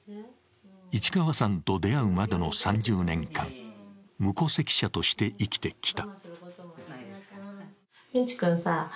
市川さんと出会うまでの３０年間無戸籍者として生きてきた。